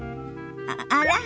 あら？